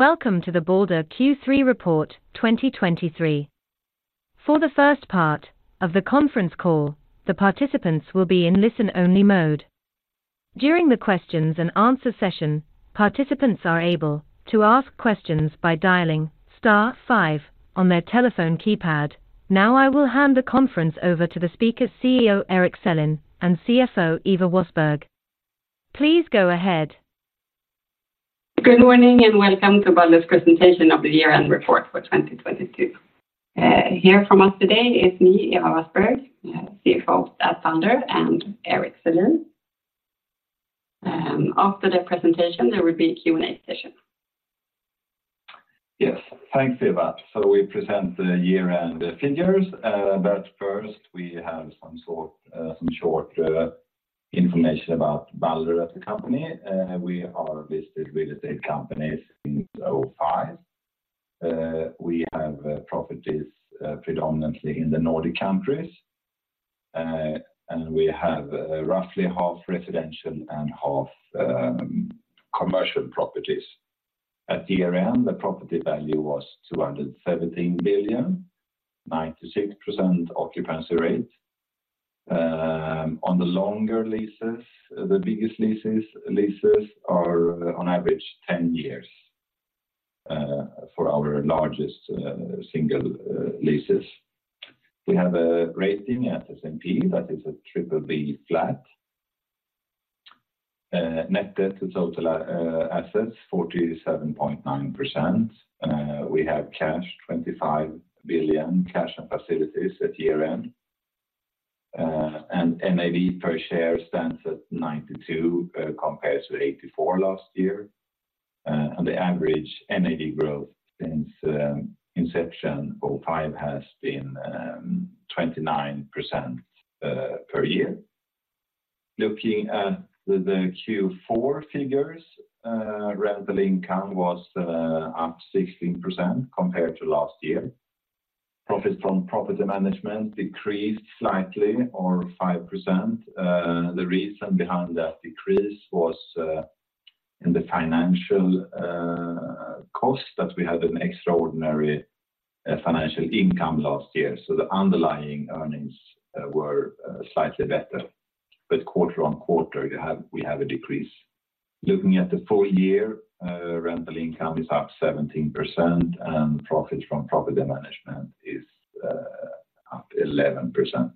Welcome to the Balder Q3 report 2023. For the first part of the conference call, the participants will be in listen-only mode. During the questions and answer session, participants are able to ask questions by dialing star five on their telephone keypad. Now, I will hand the conference over to the speakers, CEO Erik Selin, and CFO Ewa Wassberg. Please go ahead. Good morning, and welcome to Balder's presentation of the year-end report for 2022. Here from us today is me, Ewa Wassberg, CFO at Balder, and Erik Selin. After the presentation, there will be a Q&A session. Yes. Thanks, Ewa. So we present the year-end figures, but first we have some short information about Balder as a company. We are a listed real estate company since 2005. We have properties predominantly in the Nordic countries, and we have roughly half residential and half commercial properties. At year-end, the property value was 217 billion, 96% occupancy rate. On the longer leases, the biggest leases, leases are on average 10 years for our largest single leases. We have a rating at S&P, that is a triple B flat. Net debt to total assets, 47.9%. We have cash, 25 billion, cash and facilities at year-end. And NAV per share stands at 92, compared to 84 last year. The average NAV growth since inception, 2005, has been 29% per year. Looking at the Q4 figures, rental income was up 16% compared to last year. Profit from property management decreased slightly, or 5%. The reason behind that decrease was in the financial cost, that we had an extraordinary financial income last year. So the underlying earnings were slightly better, but quarter on quarter, we have a decrease. Looking at the full year, rental income is up 17%, and profit from property management is up 11%.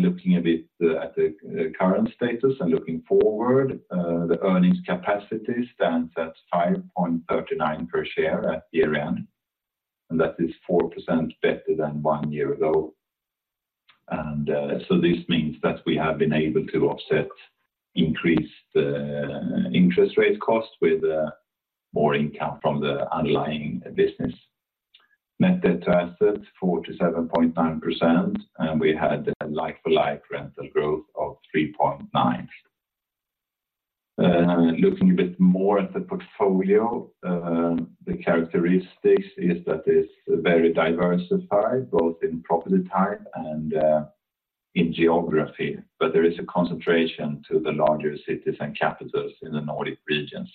Looking a bit at the current status and looking forward, the earnings capacity stands at 5.39 per share at year-end, and that is 4% better than one year ago. So this means that we have been able to offset increased interest rate cost with more income from the underlying business. Net debt to assets, 47.9%, and we had a like-for-like rental growth of 3.9. Looking a bit more at the portfolio, the characteristics is that it's very diversified, both in property type and in geography, but there is a concentration to the larger cities and capitals in the Nordic regions.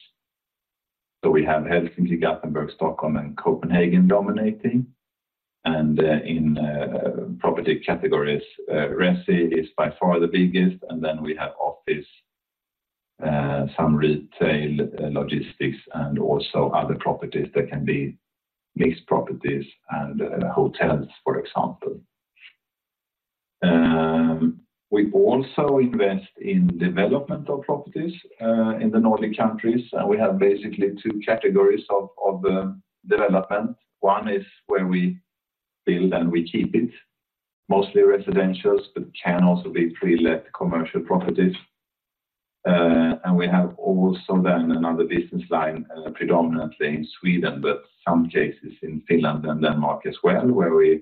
So we have Helsinki, Gothenburg, Stockholm, and Copenhagen dominating. And in property categories, resi is by far the biggest, and then we have office, some retail, logistics, and also other properties that can be mixed properties and hotels, for example. We also invest in development of properties in the Nordic countries, and we have basically two categories of the development. One is where we build and we keep it, mostly residentials, but can also be pre-let commercial properties. We have also then another business line, predominantly in Sweden, but some cases in Finland and Denmark as well, where we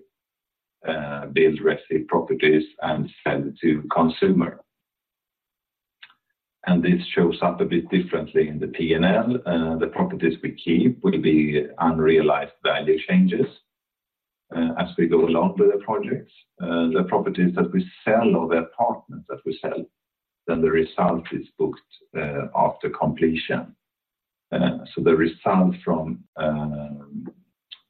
build resi properties and sell to consumer. This shows up a bit differently in the P&L. The properties we keep will be unrealized value changes as we go along with the projects. The properties that we sell or the apartments that we sell, then the result is booked after completion. The result from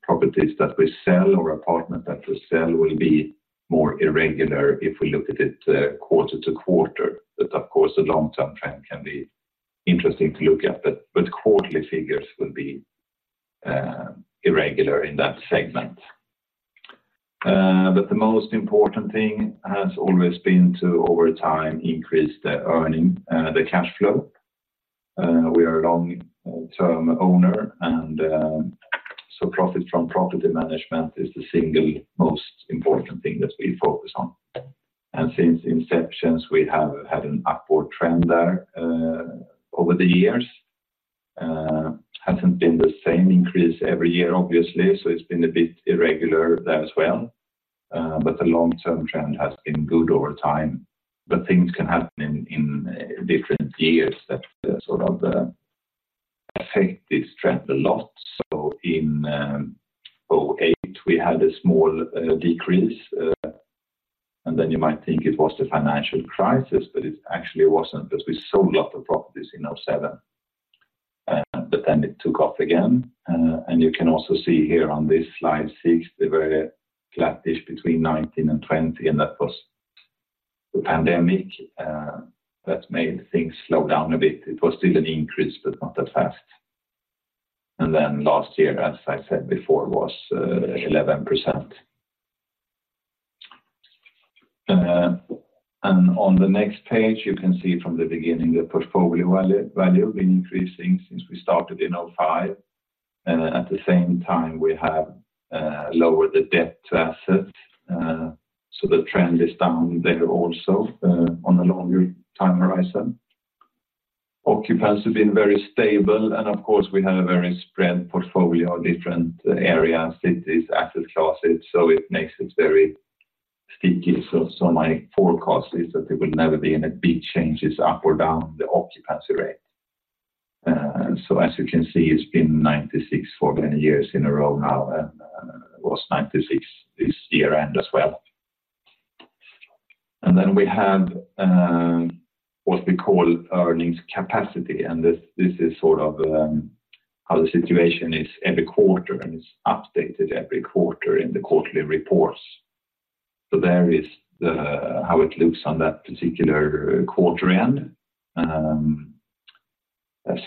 properties that we sell or apartment that we sell will be more irregular if we look at it quarter to quarter. But of course, the long-term trend can be interesting to look at, but quarterly figures will be irregular in that segment. But the most important thing has always been to, over time, increase the earning, the cash flow. We are a long-term owner, and so profit from property management is the single most important thing that we focus on. And since inceptions, we have had an upward trend there, over the years. Hasn't been the same increase every year, obviously, so it's been a bit irregular there as well. But the long-term trend has been good over time, but things can happen in different years that sort of affect this trend a lot. So in 2008, we had a small decrease... You might think it was the financial crisis, but it actually wasn't, because we sold a lot of properties in 2007. But then it took off again. You can also see here on this slide six, they were flattish between 2019 and 2020, and that was the pandemic that made things slow down a bit. It was still an increase, but not that fast. Last year, as I said before, was 11%. On the next page, you can see from the beginning, the portfolio value has been increasing since we started in 2005, and at the same time, we have lowered the debt to asset. So the trend is down there also on a longer time horizon. Occupancy has been very stable, and of course, we have a very spread portfolio of different areas, cities, asset classes, so it makes it very sticky. So my forecast is that there will never be any big changes up or down the occupancy rate. So as you can see, it's been 96% for many years in a row now, and it was 96% this year-end as well. And then we have what we call earnings capacity, and this is sort of how the situation is every quarter, and it's updated every quarter in the quarterly reports. So there is the how it looks on that particular quarter end.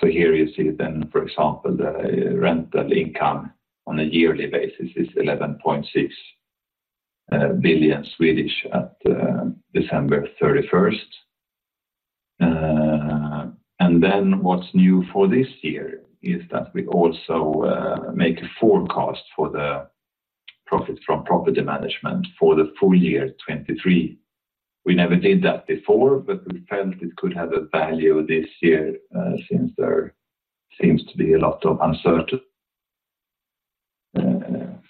So here you see then, for example, the rental income on a yearly basis is 11.6 billion at December 31. And then what's new for this year is that we also make a forecast for the profit from property management for the full year 2023. We never did that before, but we felt it could have a value this year, since there seems to be a lot of uncertainty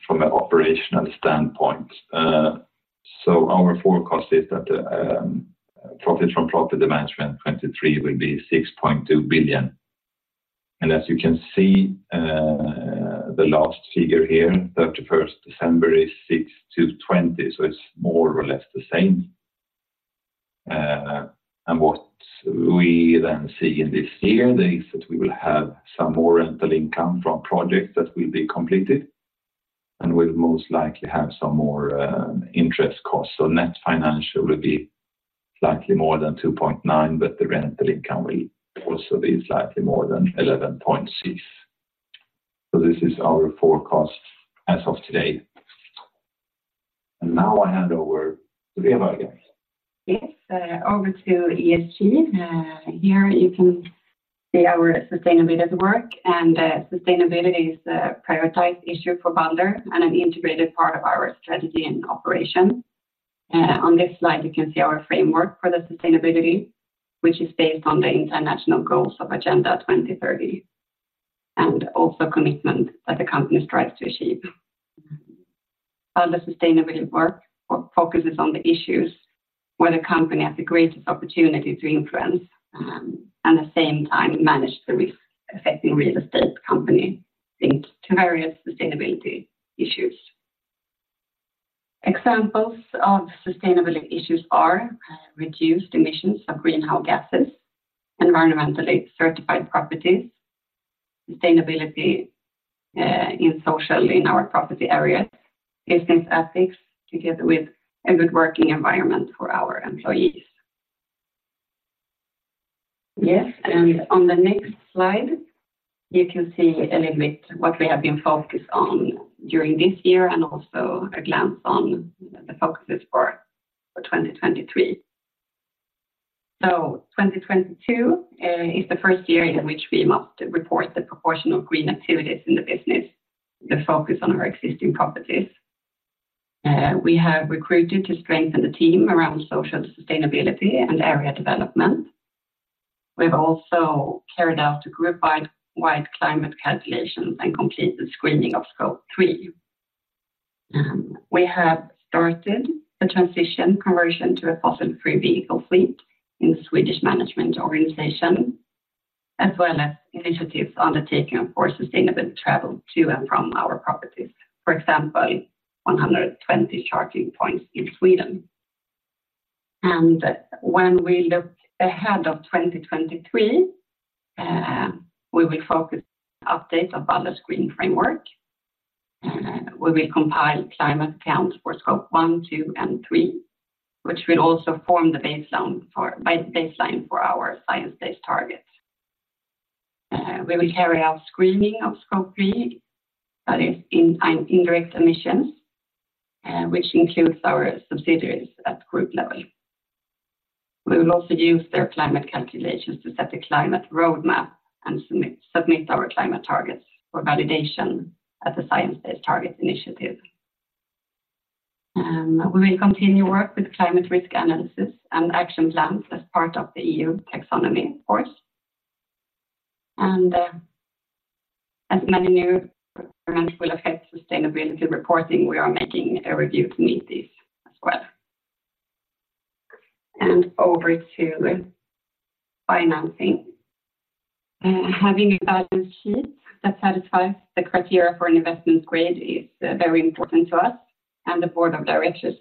from an operational standpoint. So our forecast is that the profit from property management in 2023 will be 6.2 billion. And as you can see, the last figure here, 31 December, is 6-20 billion, so it's more or less the same. And what we then see in this year is that we will have some more rental income from projects that will be completed, and we'll most likely have some more interest costs. Net financial will be slightly more than 2.9 billion, but the rental income will also be slightly more than 11.6 billion. This is our forecast as of today. Now I hand over to Ewa again. Yes, over to ESG. Here you can see our sustainability work, and, sustainability is a prioritized issue for Balder and an integrated part of our strategy and operation. On this slide, you can see our framework for the sustainability, which is based on the international goals of Agenda 2030, and also commitment that the company strives to achieve. The sustainability work focuses on the issues where the company has the greatest opportunity to influence, and at the same time, manage the risk affecting real estate company linked to various sustainability issues. Examples of sustainability issues are: reduced emissions of greenhouse gases, environmentally certified properties, sustainability, in social in our property areas, business ethics, together with a good working environment for our employees. Yes, and on the next slide, you can see a little bit what we have been focused on during this year, and also a glance on the focuses for 2023. So 2022 is the first year in which we must report the proportion of green activities in the business, the focus on our existing properties. We have recruited to strengthen the team around social sustainability and area development. We've also carried out a group-wide climate calculation and completed screening of Scope 3. We have started the transition conversion to a fossil-free vehicle fleet in the Swedish management organization, as well as initiatives undertaken for sustainable travel to and from our properties. For example, 120 charging points in Sweden. And when we look ahead of 2023, we will focus on update of Balder Green framework. We will compile climate accounts for Scope 1, 2, and 3, which will also form the baseline for our science-based target. We will carry out screening of Scope 3, that is indirect emissions, which includes our subsidiaries at group level. We will also use their climate calculations to set the climate roadmap and submit our climate targets for validation at the Science Based Targets initiative. We will continue work with climate risk analysis and action plans as part of the EU Taxonomy, of course. As many new requirements will affect sustainability reporting, we are making a review to meet this as well. Over to financing. Having a balance sheet that satisfies the criteria for an investment grade is very important to us, and the board of directors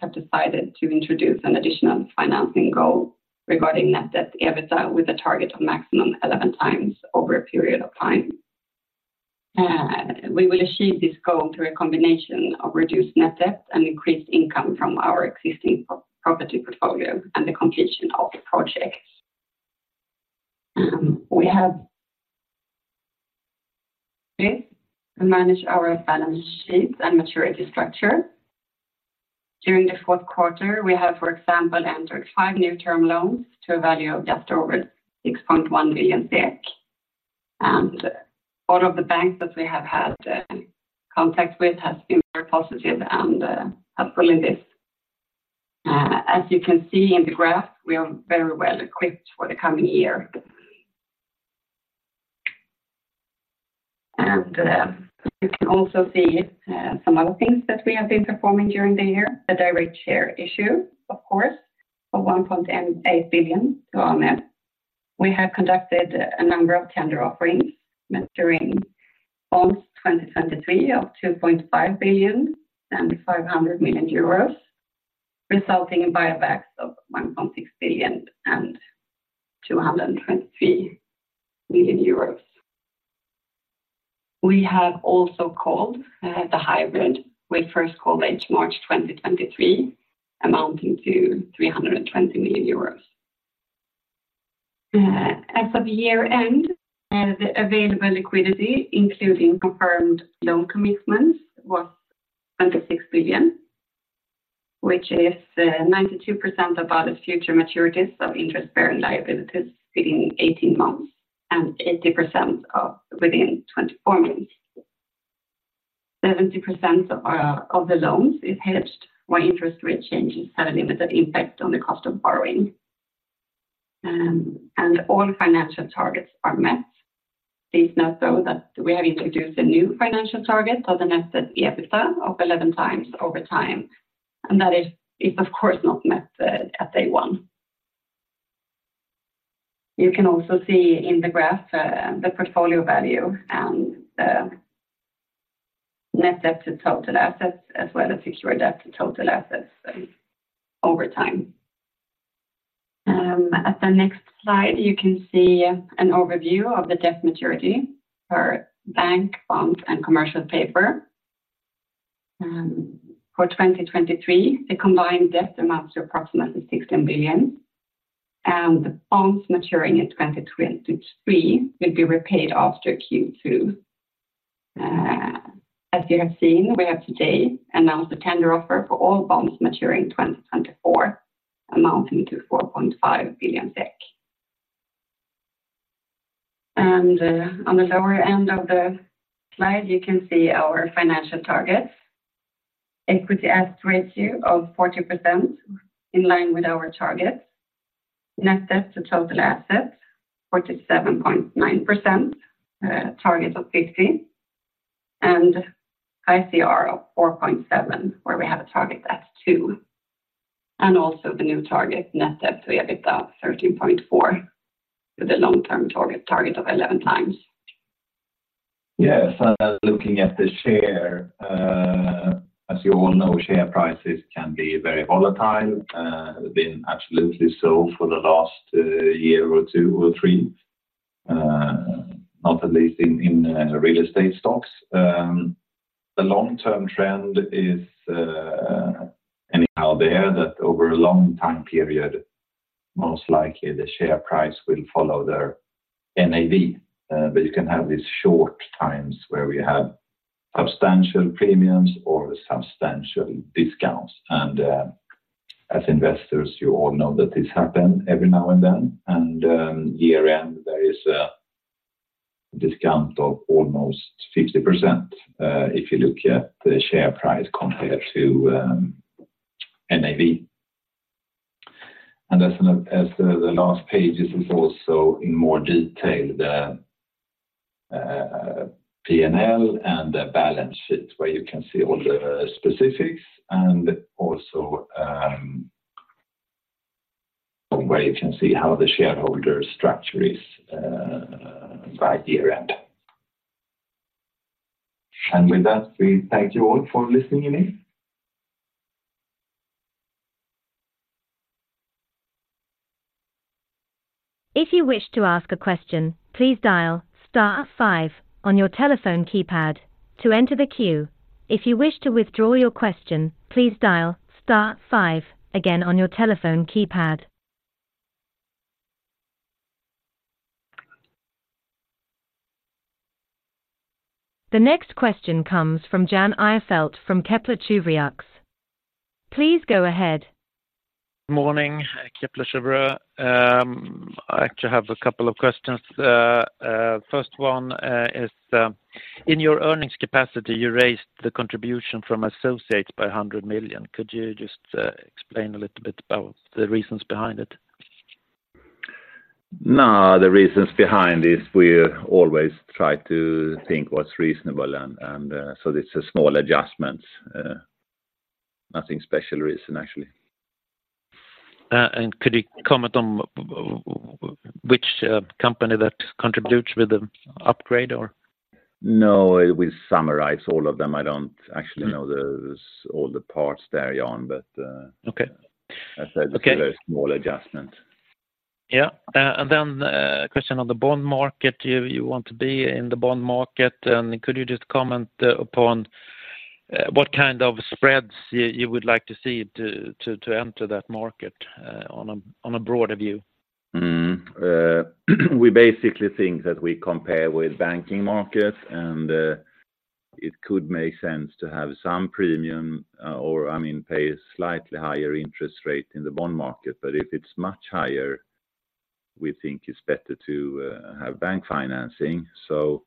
have decided to introduce an additional financing goal regarding net debt to EBITDA, with a target of maximum 11 times over a period of time. We will achieve this goal through a combination of reduced net debt and increased income from our existing property portfolio and the completion of the project. We have this to manage our balance sheets and maturity structure. During the fourth quarter, we have, for example, entered five new term loans to a value of just over 6.1 billion SEK. All of the banks that we have had contact with have been very positive and helpful in this. As you can see in the graph, we are very well-equipped for the coming year. You can also see some other things that we have been performing during the year. The direct share issue, of course, of 1.8 billion to Amundi. We have conducted a number of tender offerings maturing bonds 2023 of 2.5 billion and 500 million euros, resulting in buybacks of 1.6 billion and 223 million euros. We have also called the hybrid with first call date March 2023, amounting to 320 million euros. As of year-end, the available liquidity, including confirmed loan commitments, was 26 billion, which is 92% of our future maturities of interest-bearing liabilities within 18 months and 80% of within 24 months. 70% of our, of the loans is hedged, while interest rate changes have a limited impact on the cost of borrowing. All financial targets are met. It is not so that we have introduced a new financial target of the net debt to EBITDA of 11x over time, and that is, of course, not met at day one. You can also see in the graph, the portfolio value and the net debt to total assets, as well as secured debt to total assets over time. At the next slide, you can see an overview of the debt maturity for bank, bonds, and commercial paper. For 2023, the combined debt amounts to approximately 16 billion, and the bonds maturing in 2023 will be repaid after Q2. As you have seen, we have today announced a tender offer for all bonds maturing in 2024, amounting to 4.5 billion SEK. On the lower end of the slide, you can see our financial targets. Equity asset ratio of 40% in line with our targets. Net debt to total assets, 47.9%, target of 50, and ICR of 4.7, where we have a target at 2, and also the new target, net debt to EBITDA of 13.4, with a long-term target, target of 11 times. Yes, looking at the share, as you all know, share prices can be very volatile, have been absolutely so for the last year or two or three, not at least in real estate stocks. The long-term trend is, anyhow, that over a long time period, most likely the share price will follow their NAV. But you can have these short times where we have substantial premiums or substantial discounts. And, as investors, you all know that this happen every now and then, and, year-end, there is a discount of almost 50%, if you look at the share price compared to NAV. As the last page, this is also in more detail, the PNL and the balance sheet, where you can see all the specifics and also where you can see how the shareholder structure is, by year-end. And with that, we thank you all for listening in. If you wish to ask a question, please dial star five on your telephone keypad to enter the queue. If you wish to withdraw your question, please dial star five again on your telephone keypad. The next question comes from Jan Ihrfelt from Kepler Cheuvreux. Please go ahead. Morning, Kepler Cheuvreux. I actually have a couple of questions. First one is in your earnings capacity, you raised the contribution from associates by 100 million. Could you just explain a little bit about the reasons behind it? No, the reasons behind this, we always try to think what's reasonable and, so this is small adjustments, nothing special reason, actually. and could you comment on which company that contributes with the upgrade or? No, we summarize all of them. I don't actually know the, all the parts there on, but, Okay. As I said, it's a very small adjustment. Yeah. And then, question on the bond market. You want to be in the bond market, and could you just comment upon what kind of spreads you would like to see to enter that market, on a broader view? We basically think that we compare with banking market, and it could make sense to have some premium, or, I mean, pay a slightly higher interest rate in the bond market. But if it's much higher, we think it's better to have bank financing, so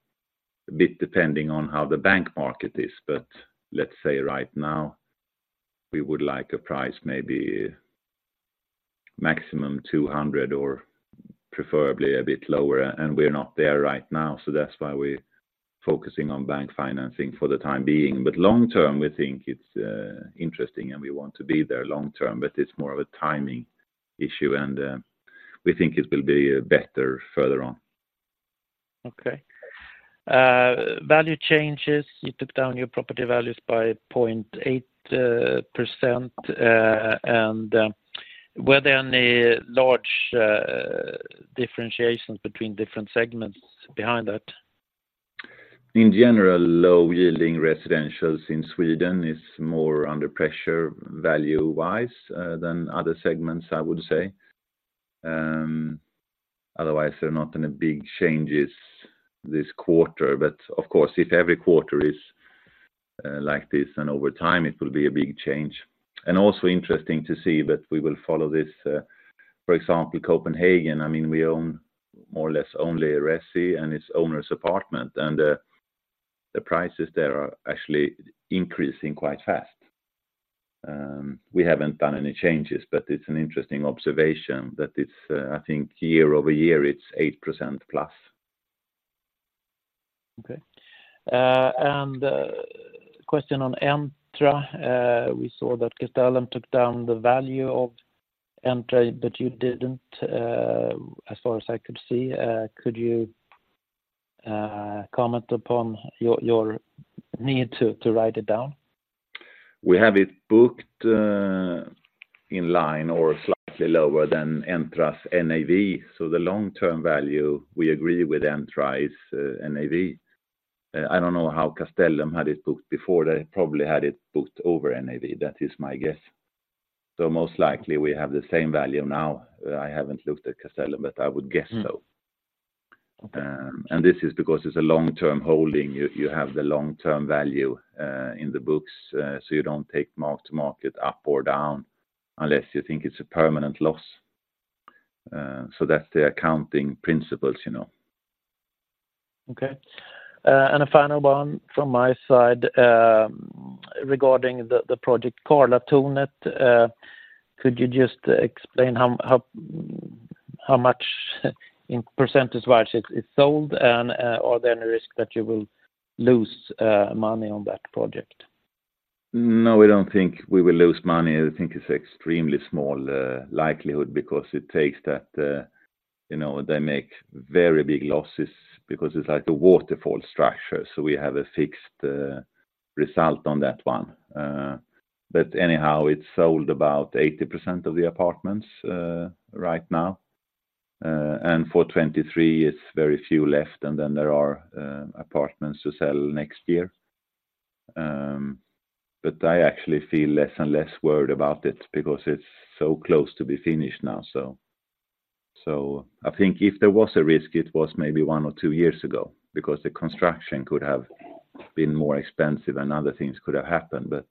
a bit depending on how the bank market is. But let's say right now, we would like a price maybe maximum 200 or preferably a bit lower, and we're not there right now. So that's why we're focusing on bank financing for the time being. But long term, we think it's interesting, and we want to be there long term, but it's more of a timing issue, and we think it will be better further on. Okay. Value changes. You took down your property values by 0.8%, and were there any large differentiations between different segments behind that? In general, low-yielding residential in Sweden is more under pressure, value-wise, than other segments, I would say. Otherwise, there are not any big changes this quarter, but of course, if every quarter is like this, then over time it will be a big change. Also interesting to see, but we will follow this. For example, Copenhagen, I mean, we own more or less only resi and its owner's apartment, and the prices there are actually increasing quite fast. We haven't done any changes, but it's an interesting observation that it's, I think year-over-year, it's 8%+. Okay. And question on Entra. We saw that Castellum took down the value of Entra, but you didn't, as far as I could see. Could you comment upon your need to write it down? We have it booked, in line or slightly lower than Entra's NAV. So the long-term value, we agree with Entra, is, NAV. I don't know how Castellum had it booked before. They probably had it booked over NAV. That is my guess. So most likely we have the same value now. I haven't looked at Castellum, but I would guess so. Okay. This is because it's a long-term holding. You have the long-term value in the books, so you don't take mark-to-market up or down, unless you think it's a permanent loss. So that's the accounting principles, you know? Okay. And a final one from my side, regarding the project, Karlatornet. Could you just explain how much, in percentage-wise it's sold, and are there any risk that you will lose money on that project? No, we don't think we will lose money. I think it's extremely small likelihood because it takes that... You know, they make very big losses because it's like a waterfall structure, so we have a fixed result on that one. But anyhow, it's sold about 80% of the apartments right now, and for 2023, it's very few left, and then there are apartments to sell next year. But I actually feel less and less worried about it because it's so close to be finished now. So I think if there was a risk, it was maybe one or two years ago because the construction could have been more expensive and other things could have happened, but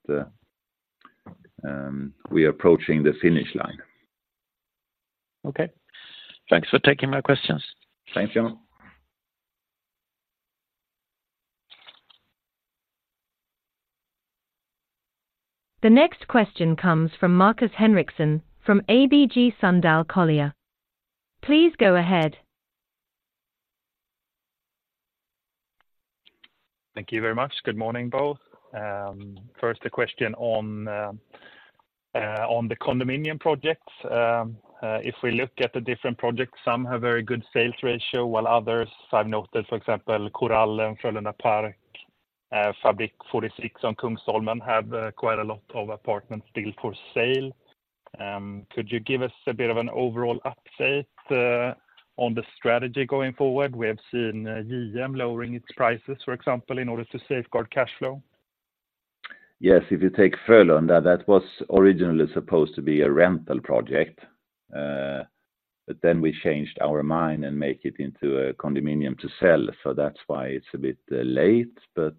we are approaching the finish line. Okay. Thanks for taking my questions. Thank you. The next question comes from Markus Henriksson, from ABG Sundal Collier. Please go ahead. Thank you very much. Good morning, both. First, a question on the condominium projects. If we look at the different projects, some have very good sales ratio, while others, I've noted, for example, Korallen, Frölunda Park, Fabrique 46, on Kungsholmen, have quite a lot of apartments still for sale. Could you give us a bit of an overall update on the strategy going forward? We have seen JM lowering its prices, for example, in order to safeguard cash flow. Yes, if you take Frölunda, that was originally supposed to be a rental project, but then we changed our mind and make it into a condominium to sell. So that's why it's a bit late, but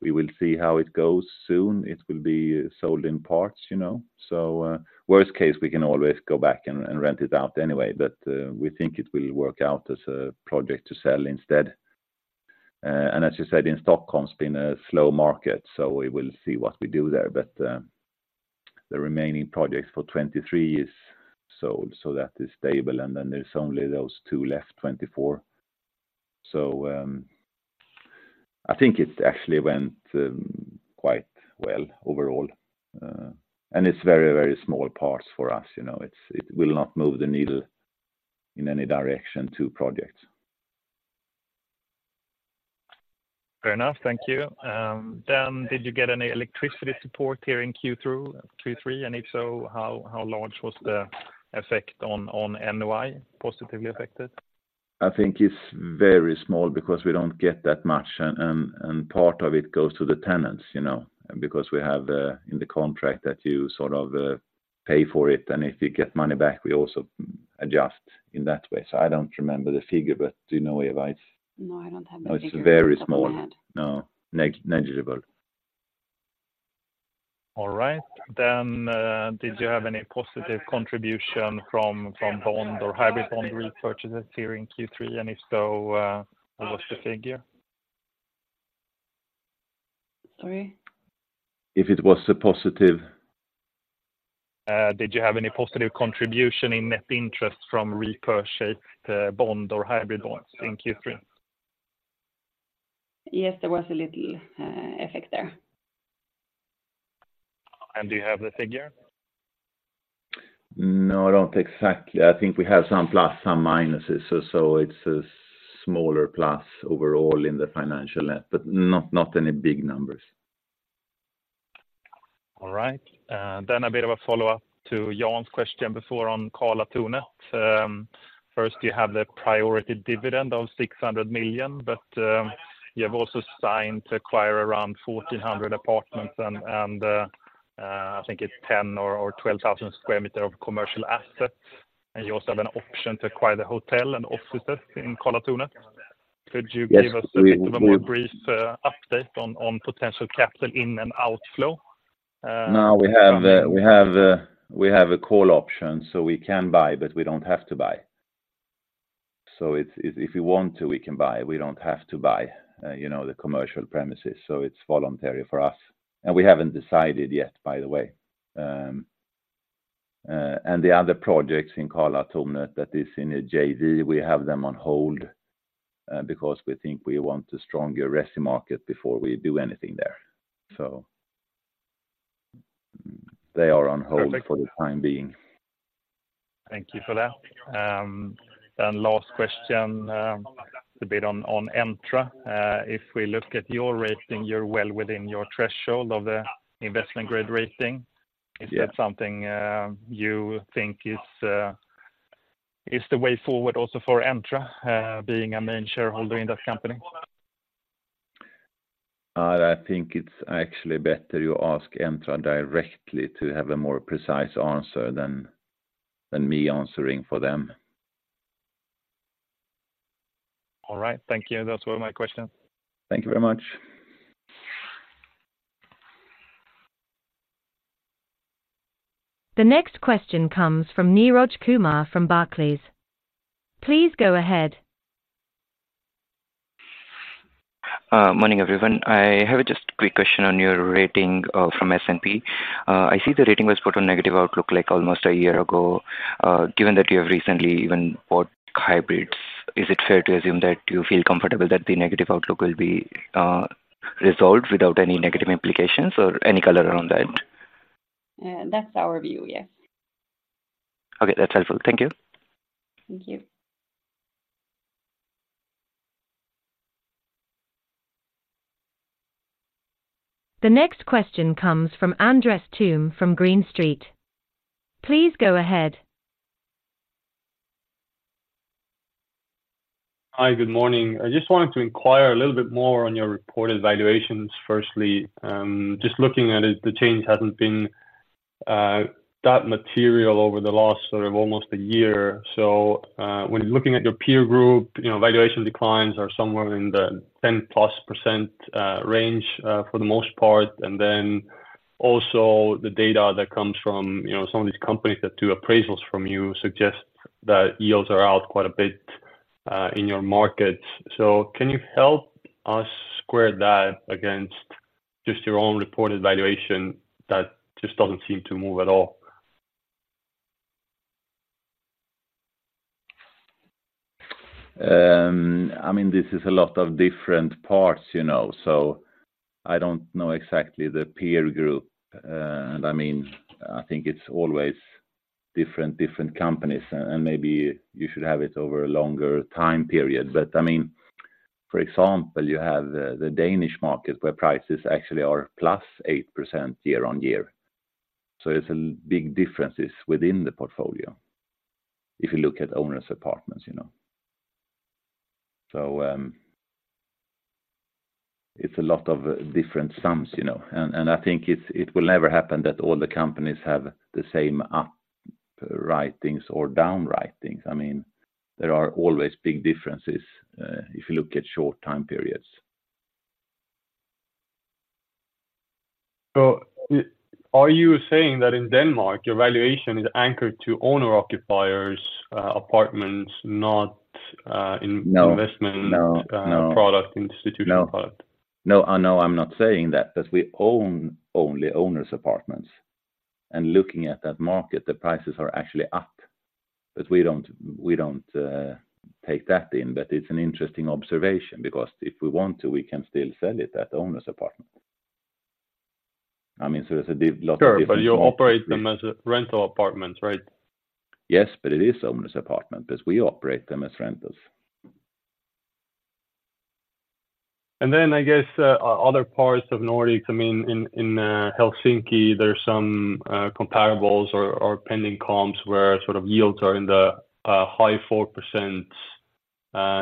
we will see how it goes soon. It will be sold in parts, you know? So, worst case, we can always go back and rent it out anyway, but we think it will work out as a project to sell instead. And as you said, in Stockholm, it's been a slow market, so we will see what we do there. But the remaining project for 2023 is sold, so that is stable, and then there's only those two left, 2024. So. I think it actually went quite well overall, and it's very, very small parts for us, you know, it will not move the needle in any direction to projects. Fair enough. Thank you. Then, did you get any electricity support here in Q through Q3? And if so, how large was the effect on NOI positively affected? I think it's very small because we don't get that much, and part of it goes to the tenants, you know, because we have in the contract that you sort of pay for it, and if you get money back, we also adjust in that way. So I don't remember the figure, but do you know, Ewa, if I- No, I don't have that figure- It's very small. Off my head. No, negligible. All right. Then, did you have any positive contribution from bond or hybrid bond repurchases here in Q3? And if so, what was the figure? Sorry. If it was a positive? Did you have any positive contribution in net interest from repurchased bond or hybrid bonds in Q3? Yes, there was a little effect there. Do you have the figure? No, I don't exactly. I think we have some plus, some minuses, so, so it's a smaller plus overall in the financial net, but not, not any big numbers. All right. Then a bit of a follow-up to Jan's question before on Karlatornet. First, you have the priority dividend of 600 million, but you have also signed to acquire around 1,400 apartments and I think it's 10,000 or 12,000 square meters of commercial assets, and you also have an option to acquire the hotel and offices in Karlatornet. Yes. Could you give us a bit of a more brief update on, on potential capital in and outflow? No, we have a call option, so we can buy, but we don't have to buy. So it's, if we want to, we can buy. We don't have to buy, you know, the commercial premises, so it's voluntary for us. And we haven't decided yet, by the way. And the other projects in Karlatornet that is in a JV, we have them on hold, because we think we want a stronger resi market before we do anything there. So they are on hold- Perfect. For the time being. Thank you for that. Last question, a bit on Entra. If we look at your rating, you're well within your threshold of the investment grade rating. Yes. Is that something you think is the way forward also for Entra, being a main shareholder in that company? I think it's actually better you ask Entra directly to have a more precise answer than me answering for them. All right. Thank you. Those were my questions. Thank you very much. The next question comes from Niraj Kumar from Barclays. Please go ahead. Morning, everyone. I have just a quick question on your rating from S&P. I see the rating was put on negative outlook, like almost a year ago. Given that you have recently even bought hybrids, is it fair to assume that you feel comfortable that the negative outlook will be resolved without any negative implications or any color around that? That's our view, yes. Okay. That's helpful. Thank you. Thank you. The next question comes from Andres Toome from Green Street. Please go ahead. Hi, good morning. I just wanted to inquire a little bit more on your reported valuations. Firstly, just looking at it, the change hasn't been that material over the last sort of almost a year. So, when looking at your peer group, you know, valuation declines are somewhere in the 10%+ range for the most part, and then also the data that comes from, you know, some of these companies that do appraisals from you suggest that yields are out quite a bit in your markets. So can you help us square that against just your own reported valuation that just doesn't seem to move at all? I mean, this is a lot of different parts, you know, so I don't know exactly the peer group. And I mean, I think it's always different, different companies, and maybe you should have it over a longer time period. But, I mean, for example, you have the Danish market, where prices actually are +8% year-on-year. So there's some big differences within the portfolio, if you look at owner's apartments, you know. So, it's a lot of different sums, you know, and, and I think it's, it will never happen that all the companies have the same upwritings or downwritings. I mean, there are always big differences, if you look at short time periods. So are you saying that in Denmark, your valuation is anchored to owner-occupiers, apartments, not, in-? No. Investment- No, no. Product, institutional product? No, no, I'm not saying that, 'cause we own only owner's apartments, and looking at that market, the prices are actually up... But we don't, we don't take that in. But it's an interesting observation, because if we want to, we can still sell it at the owner's apartment. I mean, so there's a lot of different- Sure, but you operate them as a rental apartment, right? Yes, but it is owner's apartment, but we operate them as rentals. And then, I guess, other parts of Nordics, I mean, in Helsinki, there are some comparables or pending comps where sort of yields are in the high 4%,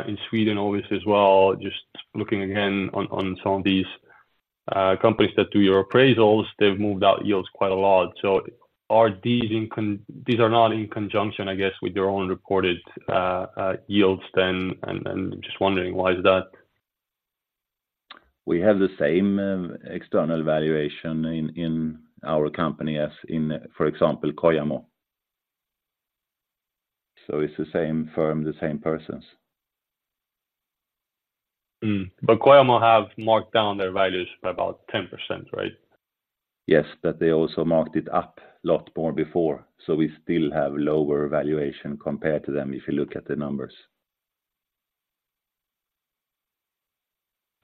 in Sweden, obviously as well. Just looking again on some of these companies that do your appraisals, they've moved out yields quite a lot. So are these in conjunction, these are not in conjunction, I guess, with your own reported yields then? And just wondering, why is that? We have the same external valuation in our company as in, for example, Kojamo. So it's the same firm, the same persons. Mm. But Kojamo have marked down their values by about 10%, right? Yes, but they also marked it up a lot more before, so we still have lower valuation compared to them, if you look at the numbers.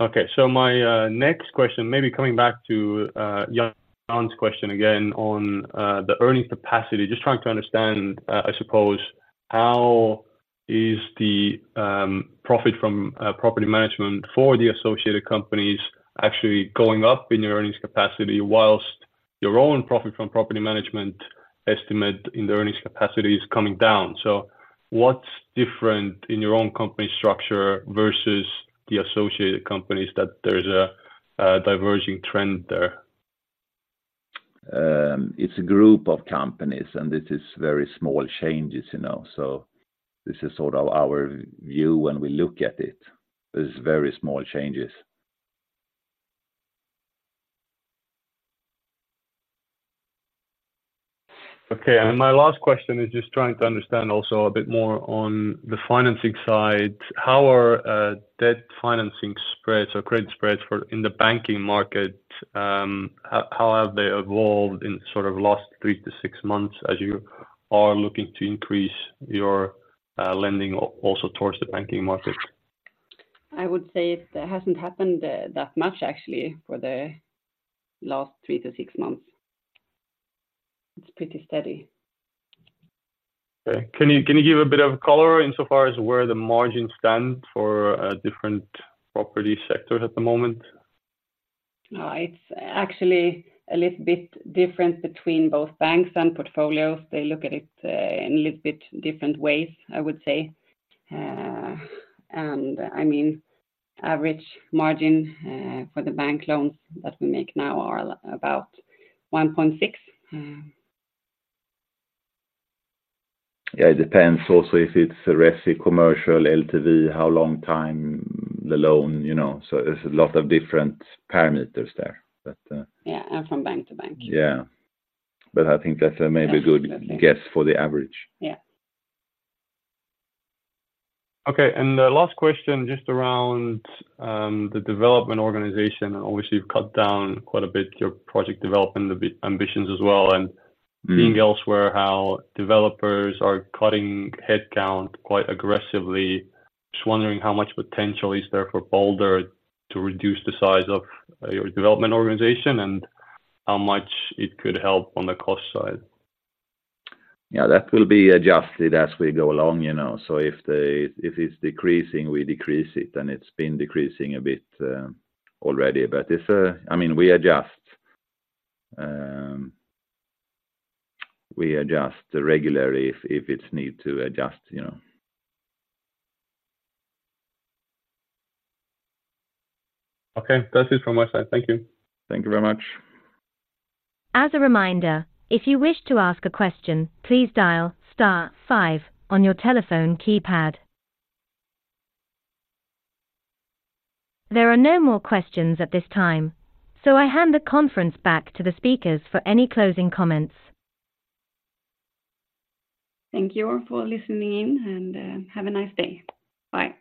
Okay. So my next question, maybe coming back to Jan's question again on the earnings capacity. Just trying to understand, I suppose, how is the profit from property management for the associated companies actually going up in your earnings capacity, while your own profit from property management estimate in the earnings capacity is coming down. So what's different in your own company structure versus the associated companies, that there is a diverging trend there? It's a group of companies, and this is very small changes, you know, so this is sort of our view when we look at it. There's very small changes. Okay, and my last question is just trying to understand also a bit more on the financing side. How are debt financing spreads or credit spreads for, in the banking market, how have they evolved in sort of last 3-6 months as you are looking to increase your lending also towards the banking market? I would say it hasn't happened that much actually for the last 3-6 months. It's pretty steady. Okay. Can you, can you give a bit of color insofar as where the margin stand for different property sectors at the moment? It's actually a little bit different between both banks and portfolios. They look at it in a little bit different ways, I would say. And I mean, average margin for the bank loans that we make now are about 1.6. Yeah, it depends also if it's a resi, commercial, LTV, how long time the loan, you know, so there's a lot of different parameters there, but- Yeah, and from bank to bank. Yeah. But I think that's a maybe good guess for the average. Yeah. Okay, and the last question, just around, the development organization. Obviously, you've cut down quite a bit your project development ambitions as well, and- -seeing elsewhere, how developers are cutting headcount quite aggressively. Just wondering how much potential is there for Balder to reduce the size of your development organization, and how much it could help on the cost side? Yeah, that will be adjusted as we go along, you know. So if it's decreasing, we decrease it, and it's been decreasing a bit, already. But if... I mean, we adjust, we adjust regularly if, if it's need to adjust, you know. Okay. That's it from my side. Thank you. Thank you very much. As a reminder, if you wish to ask a question, please dial star five on your telephone keypad. There are no more questions at this time, so I hand the conference back to the speakers for any closing comments. Thank you all for listening in, and, have a nice day. Bye.